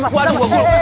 kau pegang gue